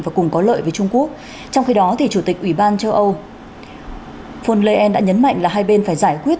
và cùng có lợi với trung quốc trong khi đó chủ tịch ủy ban châu âu von leyen đã nhấn mạnh là hai bên phải giải quyết